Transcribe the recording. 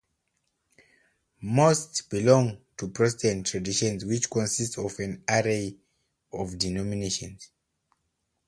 Most belong to Protestant traditions which consist of an array of denominations.